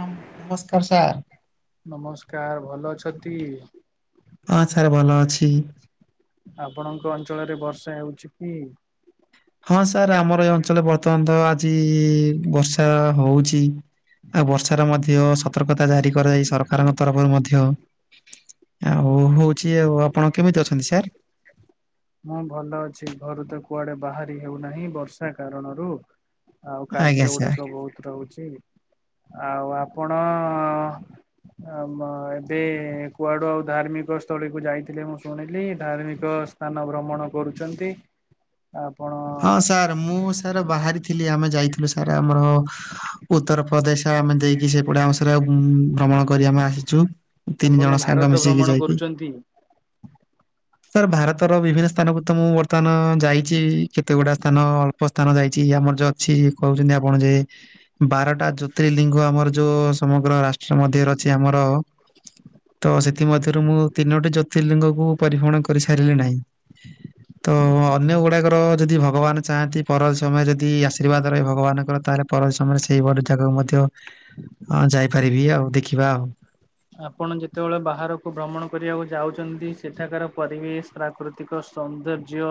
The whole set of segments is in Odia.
ନମ୍ ନମସ୍କାର ସାର୍। ନମସ୍କାର ଭଲଅଛନ୍ତି? ହଁ ସାରେ ଭଲଅଛି। ଆପଣଙ୍କ ଅଞ୍ଚଳରେ ବର୍ଷା ହେଉଛି କି? ହଁ ସାର୍ ଆମର ଏ ଅଞ୍ଚଳରେ ବର୍ତ୍ତମାନ ତ ଆଜି ବର୍ଷା ହୋଉଚି। ଆଉ ବର୍ଷାରେ ମଧ୍ୟ ସତର୍କତା ଜାରି କରାଯାଇ ସରକାରଙ୍କ ତରଫରୁ ମଧ୍ୟ ଆଉ ହୋଉଚି ଆଉ ଆପଣ କେମିତି ଅଛନ୍ତି ସାର୍? ମୁଁ ଭଲଅଛି ଘରୁ ତ କୁଆଡେ ବାହାରି ହେଉନାହିଁ ବର୍ଷା କାରଣରୁ। ଆଉ ଆଜ୍ଞା ସାର୍ କାର୍ଯ୍ୟଗୁଡାକ ବୋହୁତ ରହୁଚ ଆଉ ଆପଣ ଆମ ଏବେ କୁଆଡୁ ଆଉ ଧାର୍ମିକ ସ୍ତଳୀକୁ ଯାଇଥିଲେ ମୁଁ ଶୁଣିଲି ଧାର୍ମିକ ସ୍ ସ୍ତାନ ଭ୍ରମଣ କରୁଚନ୍ତି। ଆ ଆପଣ ହଁ ସାର୍ ମୁଁ ସାର୍ ବାହାରି ଥିଲି ଆମେ ଯାଇଥିଲୁ ସାରେ ଆମର ଉତ୍ତରପ୍ରଦେଶ ଆମେ ଦେଇକି ସେପଟେ ଆଉଁ ସେରା ଉଁ ଭ୍ରମଣ କରି ଆମେ ଆସିଛୁ ସମ୍ପୂର୍ଣ୍ଣ ତିନିଜଣ ସାଙ୍ଗ ଭାରତ ମିଶିକି ଭ୍ରମଣ ଯାଇକି। କରୁଛନ୍ତି। ସାର୍ ଭାରତର ବିଭିନ୍ନ ସ୍ତାନକୁ ତ ମୁଁ ବର୍ ସ୍ତାନ ଯାଇଚି ଏଇ କେତେଗୁଡା ସ୍ତାନ ଅଳ୍ପ ସ୍ତାନ ଯାଇଚି ଆମର ଯ ଅଛି କୋହୁଚନ୍ତି ଆପଣ ଯେ ବାରଟା ଜ୍ୟୋତିର୍ଲିଙ୍ଗ ଆମର ଯୋଉ ସମଗ୍ର ରାଷ୍ଟ୍ର ମଧ୍ୟରେ ଅଛି ଆମର ତ ସେଥିମରୁ ମୁଁ ତିନୋଟି ଜ୍ୟୋତିର୍ଲିଙ୍ଗକୁ ପରିଭ୍ରମଣ କରିସାରିଲି ନାହିଁ। ତ ଅନ୍ୟଗୁଡ଼ାକର ଯଦି ଭଗବାନ ଚାହାନ୍ତି ପର ସମୟ ଯଦି ଆଶୀର୍ବାଦ ରହେ ଭଗବାନଙ୍କର ତାହେଲେ ପର ସମୟରେ ସେଇ ପଟ ଜାଗାକୁ ମଧ୍ୟ ଯାଇପାରିବି ଆ ଦେଖିବା ଆଉ। ଆପଣ ଯେତେବେଳେ ବାହାରକୁ ଭ୍ରମଣ କରିବାକୁ ଯାଉଚନ୍ତି ସେଠାକାର ପରିବେଶ ପ୍ରାକୃତିକ ସୌନ୍ଦର୍ଯ୍ୟ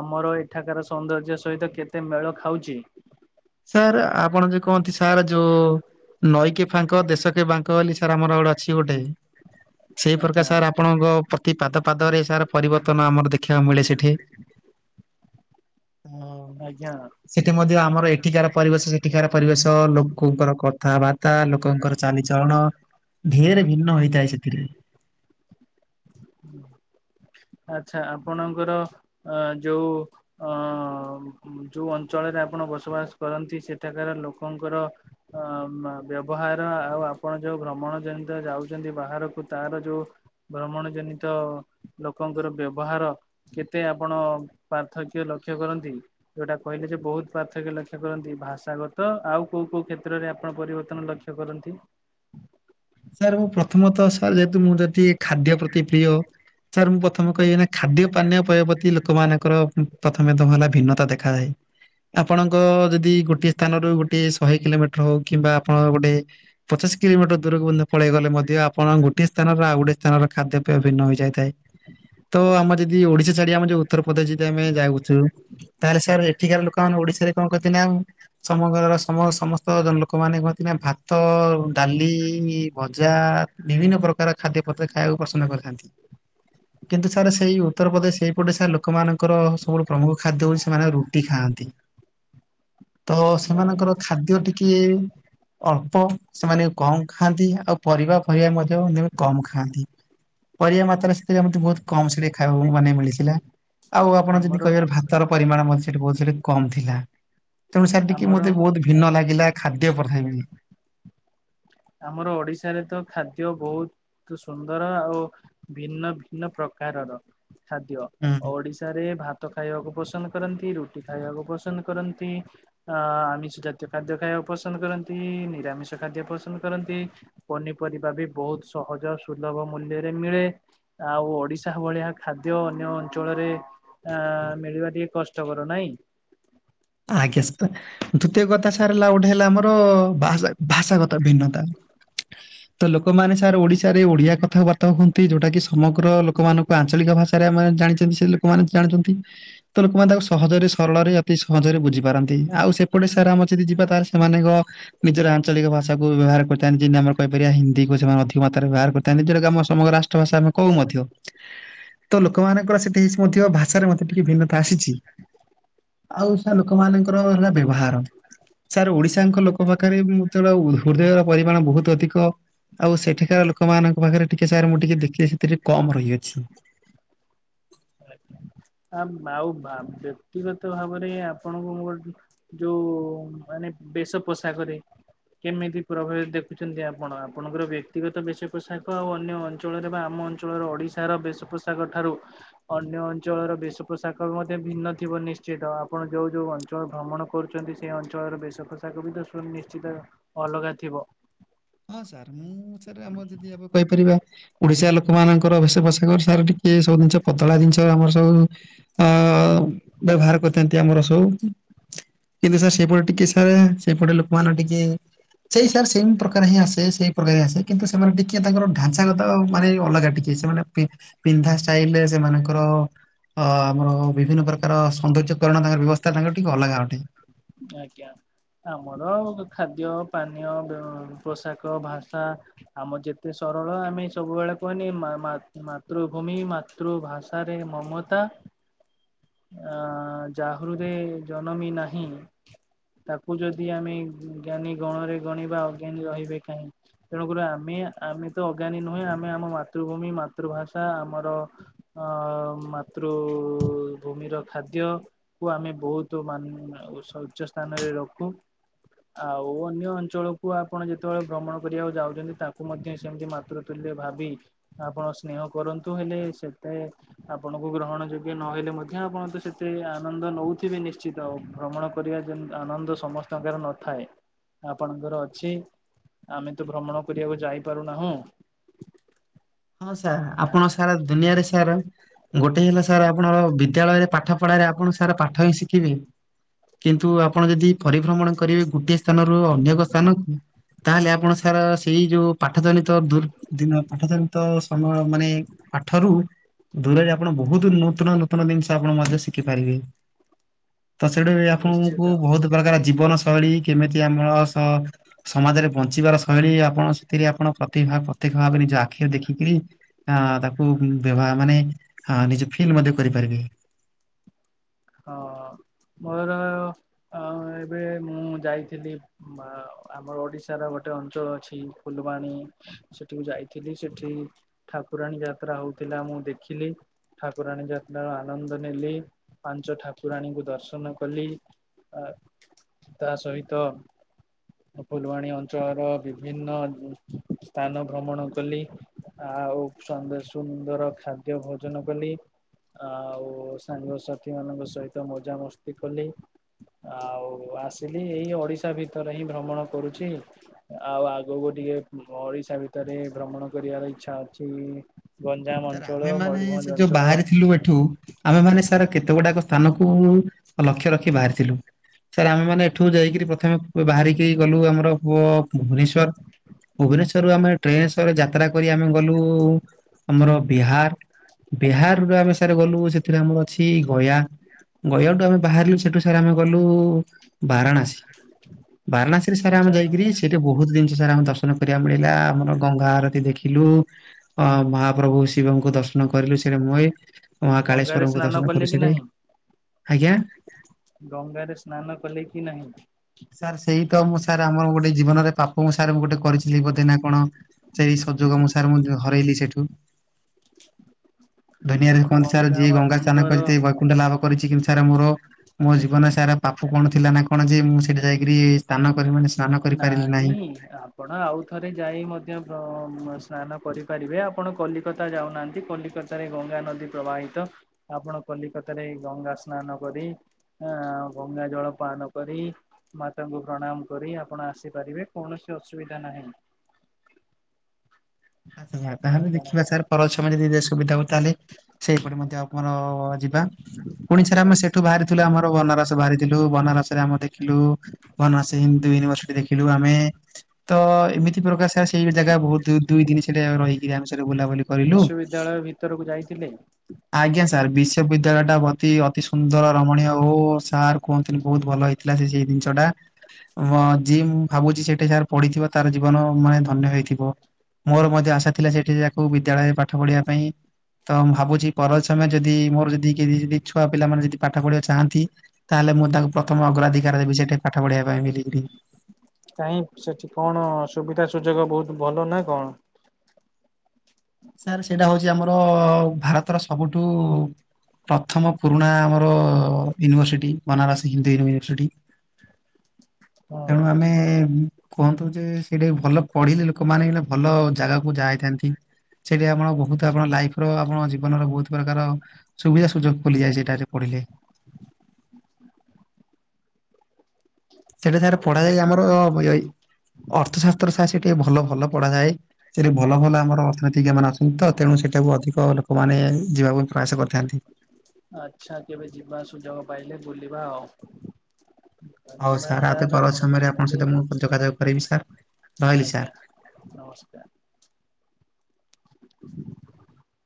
ଆମର ଏଠାକାର ସୌନ୍ଦର୍ଯ୍ୟ ସହିତ କେତେ ମେଳ ଖାଉଛି? ସାର୍ ଆପଣ ଯୋଉ କହନ୍ତି ସାର୍ ଯୋଉ ନଈକି ଫାଙ୍କ ଦେଶକ ଫାଙ୍କ। କହିଲି ସାର୍ ଆମର ଆଡେ ଅଛି ଗୋଟେ ସେଇ ପ୍ରକାର ଆଜ୍ଞା ସାର୍। ଆପଣଙ୍କ ପ୍ରତି ପାଦ ପାଦରେ ସାରା ପରିବର୍ତ୍ତନ ଆମର ଦେଖିବାକୁ ମିଳେ ସେଠି। ହ ଆଜ୍ଞା। ସେଠି ମଧ୍ୟ ଆମର ଏଠିକାର ପରିବେଶ ସେଠିକାର ପରିବେଶ ଲୋକଙ୍କର କ କଥାବାର୍ତ୍ତା ଲୋକଙ୍କର ଚାଲିଚଳଣ ଢେରେ ଭିନ୍ନ ହେଇଥାଏ ସେଥିରେ। ହୁଁ। ଆଚ୍ଛା ଆପଣଙ୍କର ଅ ଯୋଉ ଅ ଯୋଉ ଅଞ୍ଚଳରେ ଆପଣ ବସବାସ କରନ୍ତି ସେଠାକାର ଲୋକଙ୍କର ଅ ବ୍ୟବହାର ଆଉ ଆପଣ ଯୋଉ ଭ୍ରମଣ ଜନିତ ଯାଉଛନ୍ତି ବାହାରକୁ ତାର ଯୋଉ ଭ୍ରମଣ ଜନିତ ଲୋକଙ୍କର ବ୍ୟବହାର କେତେ ଆପଣ ପାର୍ଥକ୍ୟ ଲକ୍ଷ୍ୟ କରନ୍ତି। ଯୋଉଟା କହିଲେ ଯେ ବହୁତ ପାର୍ଥକ୍ୟ ଲକ୍ଷ୍ୟ କରନ୍ତି ଭାଷାଗତ ଆଉ କୋଉ କୋଉ କ୍ଷେତ୍ରରେ ଆପଣ ପରିବର୍ତନ ଲକ୍ଷ କରନ୍ତି। ସାର୍ ମୁଁ ପ୍ରଥମ ତ ସାର୍ ଯେହେତୁ ମୁଁ ଯଦି ଖାଦ୍ୟ ପ୍ରତି ପ୍ରିୟ ସାର୍ ମୁଁ ପ୍ରଥମ କହିବି ନା ଖାଦ୍ୟ ପାନୀୟ ପ୍ରୟ ପ୍ରତି ଲୋକମାନଙ୍କର ପ୍ରଥମେ ତମ ହେଲା ଭିନ୍ନତା ଦେଖାଯାଏ। ଆପଣଙ୍କ ଯଦି ଗୋଟଏ ସ୍ଥାନରୁ ଗୋଟେ ଶହେ କିଲୋମିଟର ହୋଉ କିମ୍ବା ଆପଣ ଗୋଟେ ପଚାଶ କିଲୋମିଟର ଦୂରକୁ ପଳେଇ ଗଲେ ମଧ୍ୟ ଆପଣ ଗୋଟେ ସ୍ଥାନର ଆଉ ଗୋଟେ ସ୍ଥାନର ଖାଦ୍ୟ ପେୟ ଭିନ୍ନ ହେଇଯାଇଥାଏ ତ ଆମ ଯଦି ଓଡିଶା ଛାଡି ଆମେ ଯଉ ଉତ୍ତରପ୍ରଦେଶ ଯଦି ଆମେ ଯାଉଛୁ। ତାହେଲେ ସାର୍ ଏଠିକାର ଲୋକମାନୋନ ଓଡିଶାରେ କଣ କରିଥିଲେ ସମର ସମ ସମ ତ ଲୋକମାନେ କୁହନ୍ତି ନା ଭାତ ଡାଲି ଭଜା ବିଭିନ୍ନ ପ୍ରକାର ଖାଦ୍ୟ ପତ୍ର ଖାଇବାକୁ ପସନ୍ଦ କରିଥାନ୍ତି। କିନ୍ତୁ ସାର୍ ସେଇ ଉତ୍ତର ପ୍ରଦେଶ ସେଇପଟ ସାର ଲୋକମାନଙ୍କ ଙ୍କର ସବୁଠୁ ପ୍ରମୁଖ ଖାଦ୍ୟ ହଉଛି ସେମାନେ ରୁଟି ଖାଆନ୍ତି। ତ ହଁ। ସେମାନଙ୍କର ଖାଦ୍ୟ ଟିକେ ଅଳ୍ପ ସେମାନେ କମ୍ ଖାଆନ୍ତି। ଆଉ ପରିବା ଫରିବା ମଧ୍ୟ କମ୍ ଖାଆନ୍ତି। ପରିବା ମାତ୍ରାରେ ସେଥିରେ ମେ ବହୁତ କମ୍ ସେ ଖାଇବାକୁ ମାନେ ମିଳିଥିଲା। ଆଉ ଆପଣ ଯଦି ଆମର କହିବାର ଭାତର ପରିମାଣ ମଧ୍ୟ ସେଠି ବହୁତ କମ୍ ଥିଲା। ତେଣୁ ସେତିକି ଆମର ମତେ ବହୁତ ଭିନ୍ନ ଲାଗିଲା ଖାଦ୍ୟ ପ୍ରଧାନ। ଆମର ଓଡିଶାରେ ତ ଖାଦ୍ୟ ବହୁତ। ଅତି ସୁନ୍ଦର ଆଉ ଭିନ୍ନ ଭିନ୍ନ ପ୍ରକାରର ଖାଦ୍ୟ ଓଡିଶ ତାରେ ଭାତ ଖାଇବାକୁ ପସନ୍ଦ କରନ୍ତି ରୁଟି ଖାଇବା କୁ ପସନ୍ଦ କରନ୍ତି। ଆ ଆମିଷ ଜାତୀୟ ଖାଦ୍ୟ ଖାଇବାକୁ ପସନ୍ଦ କରନ୍ତି ନିରାମିଷ ଖାଦ୍ୟ ପସ ଇଏ କରନ୍ତି ପନିପରିବା ବି ବହୁତ ସହଜ ସୁଲଭ ମୂଲ୍ୟ ରେ ମିଳେ। ଆଉ ଓଡିଶା ଭଳିଆ ଖାଦ୍ୟ ଅନ୍ୟ ଅଞ୍ଚଳରେ ଆ ମିଳିବା ଟିକେ କଷ୍ଟକର ନାଇଁ। ଆଜ୍ଞା ସତ ଦୁତୀୟ କଥା ସାର୍ ହେଲା ଗୋଟେ ହେଲା ଆମର ଭାଷା ଭାଷାଗତ ଭିନ୍ନତା। [inaudible] ତ ଲୋକମାନେ ସାର୍ ଓଡିଶାରେ ଓଡିଆ କଥାବାର୍ତ୍ତା ହୁଅନ୍ତି ଯୋଉଟା କି ସମଗ୍ର ଲୋକମାନାନଙ୍କୁ ଆଞ୍ଚଳିକ ଭାଷା। ସାରେ ଆମେ ଜାଣିଚନ୍ତି ସେ ଲୋକମାନେ ଜାଣିଛନ୍ତଚ ତ ଲୋକମାନେ ତା ସହଜରେ ସରଳରେ ଅତି ସ ମଜାରେ ବୁଝିପାରନ୍ତି ଆଉ ସେପଟେ ସାର ଆମର ଯଦି ତାହାଲେ ନିଜର ଆଞ୍ଚଳିକ ଭାଷାକୁ ବ୍ୟବହାର କରିଥାନ୍ତି ଯେମିତି ଆମେ କହି ପାରିବା ହିନ୍ଦୀ କୁ ଅଧିକ ମାତ୍ରା ରେ ବାର କରିଥାନ୍ତି ଯଉ କି ସମଗ୍ର ରାଷ୍ଟ୍ର ଚ ସାମ କୋଉ ମଧ୍ୟ ତ ଲୋକମାନଙ୍କର ସେତିକି ମଧ୍ୟ ଭାଷାରେ ମତେ ଟିକେ ଭିନ୍ନତା ଆସିଛି। ଆଉ ସେ ଲୋକ ମାନଙ୍କର ହେଲା ବ୍ୟବହାର। ସାର୍ ଓଡିଶାଙ୍କ ଲୋକ ପାଖରେ ବି ମତେ ହୃଦୟର ପରିମାଣ ବହୁତ ଅଧିକ। ଆଉ ସେଠିକାର ଲୋକମାନଙ୍କ ପାଖରେ ଟିକେ ସାର୍ ମୁଁ ଟିକେ ଦେଖି ସେ ଟିକେ କମ୍ ରହିଅଛି‌। ଆମ୍‌ ବାଉ‌ ବା ବ୍ୟକ୍ତି ଗତ ଭାବରେ ମୁଁ ଆପଣଙ୍କୁ ମୁଁ ଗୋ ଯୋଉ ମାନେ ବେଶ ପୋଷାକରେ। କେମିତି ପ୍ରଭାବିତ ଦେଖୁଛନ୍ତି ଆପଣ ଆପଣଙ୍କର ବ୍ୟକ୍ତିଗତ ବେଶ ପୋଷାକ ଆଉ ଅନ୍ୟ‌ ଚୋଳଦେବା ଅଞ୍ଚଳରେ ବା ଆମ ଅଞ୍ଚଳର ଓଡିଶାର ବେଶପୋଷାକର ଠାରୁ ଅନ୍ୟ ଅଞ୍ଚଳର ବେଶ ପୋଷାକ ମଧ୍ୟ ଭିନ୍ନ ଥିବ ନିଶ୍ଚିତ ଆପଣ ଯୋଉ ଯୋଉ ଅଞ୍ଚଳ ଭ୍ରମଣ କରୁଚିନ୍ତି ସେ ଅଞ୍ଚଳର ବେଶ ପୋଷାକ ବି [unintelligible] ନିଶ୍ଚିତ ଅଲଗା ଥିବା। ହଁ ସାର୍ ମୁଁ ସାର୍ ଆମର ଯଦି ଆବେ କହିପାରିବା ଓଡିଶା ଲୋକମାନଙ୍କର ଭେଷ ପୋଷାକ ସାର୍ ଟିକେ ସବୁ ଜିନିଷ ପତଳା ଜିନିଷ ଆମର ସବୁ ଆଁ ବ୍ୟବହାର କରିଥାନ୍ତି ଆମର ସବୁ। କିନ୍ତୁ ସାର୍ ସେଇପଟେ ଟିକେ ସାର୍ ସେଇପଟେ ଲୋକ ମାନେ ଟିକେ ସେଇ ସାର୍ ସେମ୍ ପ୍ରକା ର ହିଁ ଆସେ ସେଇ ପ୍ରକାର ହଁ ଆସେ କିନ୍ତୁ ସେମାନେ ଟିକେ ତାଙ୍କର ଢାଞ୍ଚାାଗତ ମାନେ ଅଲଗା ଟିକେ ସେମାନେ ପିନ୍ଧା ଷ୍ଟାଇଲ ରେ ସେମାନଙ୍କର ଅ ଆମର ବିଭିନ୍ନ ପ୍ରକାର ସୌନ୍ଦର୍ଯ୍ୟକରଣ ତାଙ୍କର ବ୍ୟବସ୍ଥା ତାଙ୍କର ଟିକେ ଅଲଗା ଅଟେ। ଆଜ୍ଞା। ଆମର ଖାଦ୍ୟ ପାନୀୟ ବ ପୋଷାକ ଭାଷା ଆମର ଯେତେ ସରଳ ଆମେ ସବୁବେଳେ କୁହନି ମା-ମା-ମାତ-ମାତୃଭୂମି ମା ତୃଭାଷାରେ ମମତା ଆ ଜାହୃଦେ ଜନମି ନାହିଁ। ତାକୁ ଯଦି ଆମେ ଜ୍ଞାନୀ ଗଣରେ ଗଣିବା ଅଜ୍ଞାନୀ ରହିବେ କାହିଁ। ତେଣୁକରି ଆମେ ଆମେ ତ ଅଜ୍ଞାନୀ ନୁହେଁ। ଆମେ ଆମ ମାତୃଭୂମି ମାତୃଭାଷା ଆମର ଆ ମାତୃଭୂମିର ଖାଦ୍ୟ କୁ ଆମେ ବୋହୁତ ମାନୁ ସ୍ୱଚ୍ଚ ସ୍ଥାନରେ ରଖୁ। ଆଉ ଅନ୍ୟ ଅଞ୍ଚଳକୁ ଆପଣ ଯେତେବେଳେ ଭ୍ରମଣ କରିବାକୁ ଯାଉଚନ୍ତି। ତାଙ୍କୁ ମଧ୍ୟ ସେମିତି ମାତୃ ତୃଲ୍ୟ ଭାବି ଆପଣ ସ୍ନେହ କରନ୍ତୁ ହେଲେ ସେତେ ଆପଣଙ୍କୁ ଗ୍ରହଣ ଯୋଗ୍ୟ ନହେଲେ ମଧ୍ୟ ଆପଣ ତ ସେତେ ଆନନ୍ଦ ନୋଉଥିବେ ନିଶ୍ଚିତ। ଭ୍ରମଣ କରିବା ଯେ ଆନନ୍ଦ ସମସ୍ତଙ୍କର ନଥାଏ ଆପଣଙ୍କର ଅଛି। ଆମେତ ଭ୍ରମଣ କରିବାକୁ ଯାଇପାରୁନାହୁଁ। ହଁ ସାର୍ ଆପଣ ସାରା ଦୁନିଆରେ ସାର୍ ଗୋଟେ ହେଲା ସାର୍ ଆପଣର ବିଦ୍ୟାଳୟରେ ପାଠ ପଢାରେ ଆପଣ ସାର୍ ପାଠ ହିଁ ଶିଖିବେ। କିନ୍ତୁ ଆପଣ ଯଦି ପରିଭ୍ରମଣ କରିବେ ଗୋଟିଏ ସ୍ଥାନରୁ ଅନ୍ୟ ଏକ ସ୍ଥାନକୁ ତାହେଲେ ଆପଣ ସାର୍ ସେଇ ଯୋଉ ପାଠ ଜନିତ ଦୁର୍ ଦିନ ପାଠ ଜନିତ ସମୟ ମାନେ ପାଠରୁ ଦୂରରେ ଆପଣ ବୋହୁତ ନୂତନ ନୂତନ ଜିନିଷ ଆପଣ ମଧ୍ୟ ଶିଖିପାରିବେ। ତ ସେଠୁ ବି ଆପଣଙ୍କୁ ନିଶ୍ଚିତ। ବୋହୁତ ପ୍ରକାର ଜୀବନ ଶୈଳୀ କେମିତି ଆମ ସହ ସମାଜରେ ବଞ୍ଚିବାର ଶୈଳୀ ଆପଣ ସେଥିରେ ଆପଣ ପ୍ରତିଭା ପତ୍ୟଖ ଭାବରେ ନିଜ ଆ ଆଖି ଦେଖିକିରି ଅ ତାକୁ ବ୍ୟଭା ମାନେ ନିଜେ ଫିଲ୍ ମଧ୍ୟ କରିପାରିବେ। ହଁ ମୋର ଅ ଏବେ ମୁଁ ଯାଇଥିଲି। ବା ଅ ଆମ ଓଡିଶାର ଗୋଟେ ଅଞ୍ଚଳ ଅଛି। ଫୁଲବାଣୀ ସେଠିକୁ ଯାଇଥିଲି ସେଠି ଠାକୁରାଣୀ ଯାତ୍ରା ହୋଉଥିଲା ମୁଁ ଦେଖିଲି ଠାକୁରାଣୀ ଯାତ୍ରାର ଆନନ୍ଦ ନେଲି। ପାଞ୍ଚ ଠାକୁରାଣୀଙ୍କୁ ଦର୍ଶନ କଲି। ଆ ତା ସହିତ [inaudible] ଫୁଲବାଣୀ ଅଞ୍ଚଳର ବିଭିନ୍ନ ସ୍ଥାନ ଭ୍ରମଣ କଲି। ଆଉ ସୋନ୍ଦର ସୁନ୍ଦର ଖାଦ୍ୟ ଭୋଜନ କଲି। ଆଉ ସାଙ୍ଗସାଥି ମାନଙ୍କ ସହିତ ମଜାମସ୍ତି କଲି। ଆଉ ଆସିଲି ଏଇ ଓଡିଶା ଭିତରେ ହିଁ ଭ୍ରମଣ କରୁଛି। ଆଉ ଆଗକୁ ଟିକେ ଓଡିଶା ଭିତରେ ଭ୍ରମଣ କରିବାର ଇଚ୍ଛା ଅଛି। ଗଞ୍ଜାମ ସାର୍ ଅଞ୍ଚଳ, ଆମେ ମାନେ ସେ ମୟୂରଭଞ୍ଜ ଯୋଉ ଅଞ୍ଚଳ ବାହାରିଥିଲୁ ଏଠୁ ଆମେମାନେ ସାର୍ କେତେ ଗୁଡାକ ସ୍ଥାନକୁ ଲକ୍ଷ୍ୟ ରଖି ବାହାରିଥିଲୁ। ସାର୍ ଆମେ ମାନେ ଏଠୁ ଯାଇକିରି ପ୍ରଥମେ ବାହାରିକି ଗଲୁ ଆମର ପୁଅ ଭୁବନେଶ୍ଵର। ଭୁବନେଶ୍ଵରରୁୁ ଆମେ ଟ୍ରେନ୍ ସରେ ଯାତ୍ରା କରି ଆମେ ଗଲୁ ଆମର ବିହାର ବିହାରରୁ ଆମେ ସାର୍ ଗଲୁ ସେଥିରେ ଆମର ଅଛି ଗୟା। ଗୟାଠୁ ଆମେ ବାହାରିଲୁ ସେଠୁ ସାର୍ ଆମେ ଗଲୁ ବାରାଣାସୀ, ବାରାଣାସୀରେ ସାର ଆମେ ଯାହା ଯାଇକିରି ସେ ଏତେ ବହୁତ ଜିନିଷ ସାର ଆମେ ଦର୍ଶନ କରିବାକୁ ମିଳିଲା, ଆମର ଗଙ୍ଗା ଆରତୀ ଦେଖିଲୁ, ଅ ଭା ପ୍ରଭୁ ଶିବଙ୍କୁ ଦର୍ଶନ କରିଲୁ ସେଠି ମୁଇଁ, ଗଙ୍ଗାରେ ମହାକାଳେଶ୍ଵରଙ୍କୁ ସ୍ନାନ ଦର୍ଶନ କଲେ କି କରିସାରି ନାହିଁ ଗଙ୍ଗାରେ ସ୍ନାନ କଲେ କି ନାହିଁ? ସାର୍ ସେଇ ତ ମୁଁ ସାର୍ ଆମର ଗୋଟେ ଜୀବନରେ ପାପ ମୁଁ ସାର୍ ମୁଁ ଗୋଟେ କରିଥିଲି ବୋଧେ ନା କଣ? ସେଇ ସୁଯୋଗ ମୁଁ ସାର ମୁଁ ହରେଇଲି ସେଠୁ। ଦୁନିଆରେ କଣ ସାର, ଯିଏ ଗଙ୍ଗା ସ୍ନାନ କରିଥିବ ପୁଣ୍ୟ ଲାଭ କରିଛି, କିନ୍ତୁ ସାର ମୋର, ମୋ ଜୀବନରେ ସାର ପାପ କଣ ଥିଲା ନା କଣ ଯେ ମୁଁ ସେଠି ରି ସ୍ନାନ କରି ମାନେ ସ୍ନାନ ନାହିଁ। ନାଇଁ ଆ ଆପଣ ଆଉଥରେ ଯାଇ ମଧ୍ୟ ଭ୍ର ସ୍ନାନ କରିପାରିବେ, ଆପଣ କଲିକତା ଯାଉନାହାନ୍ତି କଲିକତା। ତାରେ ଗଙ୍ଗା ନଦୀ ପ୍ରବାହିତ, ଆପଣ କଲିକତାରେ ଗଙ୍ଗା ସ୍ନାନ କରି ଆ ଗଙ୍ଗା ଜଳ ପାନ କରି, ମାତାଙ୍କୁ ପ୍ରଣାମ କରି ଆ ଆପଣ ଆସିପାରିବେ, କୌଣସି ଅସୁବିଧା ନାହିଁ। ଆ ତାହେଲେ ଆପଣ ଦେଖିବା ସାର୍ ପରଛୟ ଯଦି ସୁବିଧା ହୁଏ ତାହେଲେ ସେଇପଟ ମଧ୍ୟ ଆମର ଯିବା, ପୁଣି ସାରେ ଆମେ ସେଠୁ ବାହାରିଥିଲୁ ଆମର ବନାରସ ବାହାରି ଲୁ ବନାରସରେ ଆମ ଦେଖିଲୁ ବନାରସ ହିନ୍ଦୁ ୟୁନିଭର୍ସିଟି ଦେଖିଲୁ ଆମେ। ତ ଏମିତି ପ୍ରକାର ସେ ସେଇ ଜାଗା ବହୁତ ଦୁଇ ଦିନ ସେଟା ରହିକିରି ଆମେ ସେଠି ବୁଲାବୁଲି କରିଲୁ। ବିଦ୍ୟାଳୟ ଭିତରକୁ ଯାଇଥିଲେ? ଆଜ୍ଞା ସାର୍, ବିଶ୍ୱବିଦ୍ୟାଳୟ ଟା ଅତି ଅତି ସୁନ୍ଦର ରମଣୀୟ ଓ ସାର୍ କୁହନ୍ତୁନି, ବହୁତ ଭଲ ହେଇ ଥିଲା ସେ ସେଇ ଜିନିଷଟା। ଯିଏ ମୁଁ ଭାବୁଛି ସେଠି ସାର ପଢିଥିବ ତାର ଜୀବନ ମାନେ ଧନ୍ୟ ହେଇଥିବ। ମୋର ମଧ୍ୟ ଆଶା ଥିଲା ସେଠି ଯାକୁ ବିଦ୍ୟାଳୟ ପାଠ ପଢିବା ପାଇଁ ତ ମୁଁ ଭାବୁଛି ପର ସମୟ ଯଦି ମୋର ଯଦିି କିଏ ଯଦି ଛୁଆ ପିଲାମାନେ ଯଦି ପାଠ ପଢିବା ଚାହାନ୍ତି, ତାହେଲେ ମୁଁ ତାଙ୍କୁ ପ୍ରଥମ ଅଗ୍ରାଧିକାର ଦେବି ସେଠି ପାଠ ପଢ଼ିବା ପାଇଁ ବେଲିକିରି। କାହିଁ ସେଠି କଣ, ସୁବିଧା ସୁଯୋଗ ବହୁତ ଭଲ ନା କଣ? ସାର୍ ସେଇଟା ହଉଛି ଆମର, ଭାରତର ସବୁଠୁ ପ୍ରଥମ ପୁରୁଣା ଆମ ୟୁନିଭର୍ସିଟି ବନାରସ ହିନ୍ଦୁ ୟୁନିଭର୍ସିଟି ହଁ ତେଣୁ ଆମେ କୁହନ୍ତୁ ଯେ ସେଠି ଭଲ ପଢିଲେ ଲୋକମାନେ ଭଲ ଜାଗାକୁ ଯା ହେଇଥାନ୍ତି, ସେଠି ଆପଣ ବହୁତ ଆପଣ ଲାଇଫ ର ଆପଣ ଜୀବନର ବହୁତ ପ୍ରକାର ସୁବିଧା ସୁଯୋଗ ଖୋଲିଯାଏ ସେଟାରେ ପଢିଲେ। ସେଠି ସାର ହଉ ପଢାଯାଏ ଆମର ଅର୍ଥଶାସ୍ତ୍ର ସାର୍ ସେଠି ଭଲ ଭଲ ପଢାଯାଏ। ସେଠି ଭଲ ଭଲ ଆମର ଅର୍ଥନୀତିଜ୍ଞାମାନେ ଅଛନ୍ତି ତ ତେଣୁ ସେଠାକୁ ଅଧିକ ଲୋକମାନେ ଯିବାକୁ ପ୍ରୟାସ କରିଥାନ୍ତି। ଆଛା, କେବେ ଯିବା ସୁଯୋଗ ପାଇଲେ ବୁଲିବା ଆଉ। ହଉ ଧନ୍ୟବାଦ ସାର୍ ଆଉତି ପର ଆପଣଙ୍କୁ ସମୟରେ ଆପଣଙ୍କ ଶୁଣିଲି ସହିତ ମୁଁ ଯୋଗାଯୋଗ କରିବି ସାର୍। ରହିଲି ସାର୍। ଆଜ୍ଞା, ନମସ୍କାର। [unintelligible]